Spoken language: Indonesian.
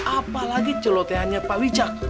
apalagi celoteannya pak wicak